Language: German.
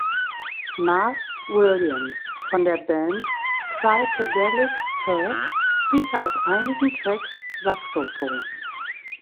Mars Williams von der Band Psychedelic Furs spielte auf einigen Tracks Saxophon.